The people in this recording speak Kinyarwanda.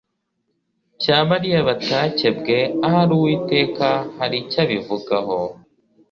cya bariya batakebwe ahari uwiteka hari icyo abivugaho